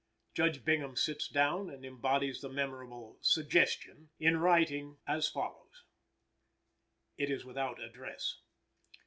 Judge Bingham sits down and embodies the memorable "suggestion" in writing as follows: [It is without address.